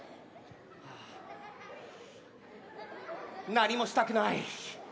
何もしたくない。